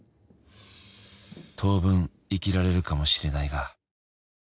「当分生きられるかもしれないが」